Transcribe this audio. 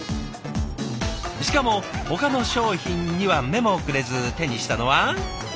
しかもほかの商品には目もくれず手にしたのは。